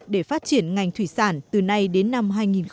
để phát triển ngành thủy sản từ nay đến năm hai nghìn hai mươi